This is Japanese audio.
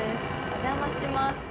お邪魔します。